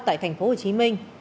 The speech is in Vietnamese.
tại thành phố hồ chí minh